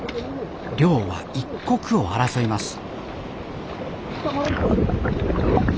漁は一刻を争います